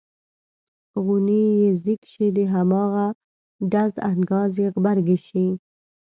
غونی یې ځیږ شي د هماغه ډز انګاز یې غبرګې شي.